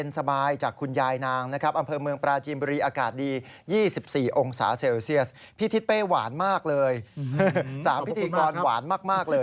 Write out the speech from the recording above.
ผมจะไปต่อเรื่องรวมสถานการณ์น้ำ